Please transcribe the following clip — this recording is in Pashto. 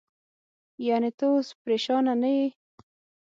یعنې، ته اوس پرېشانه نه یې؟